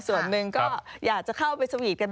ส่วนหนึ่งก็อยากจะเข้าไปแล้วแต้ลนะ